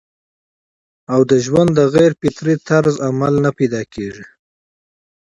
او د ژوند د غېر فطري طرز عمل نه پېدا کيږي